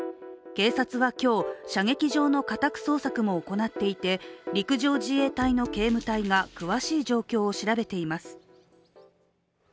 警察は今日、射撃場の家宅捜索も行っていて陸上自衛隊の警務隊が詳しい状況を調べています。